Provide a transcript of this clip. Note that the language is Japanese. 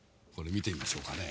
見てみましょうかね。